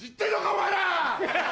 お前ら。